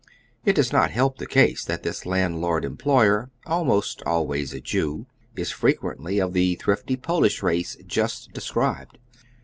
It does not Iielp the case that this landlord em ployer, almost always a Jew, is frequently of the thrifty Polish race just described.